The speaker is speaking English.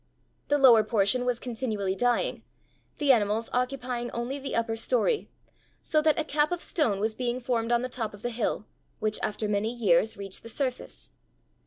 The lower portion was continually dying, the animals occupying only the upper story, so that a cap of stone was being formed on the top of the hill which after many years reached the surface.